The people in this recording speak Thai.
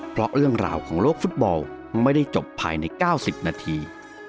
เพราะเรื่องราวของโลกฟุตบอลไม่ได้จบภายใน๙๐นาที